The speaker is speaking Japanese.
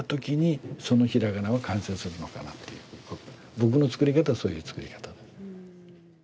僕の作り方はそういう作り方。